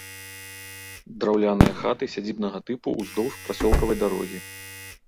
Драўляныя хаты сядзібнага тыпу ўздоўж прасёлкавай дарогі.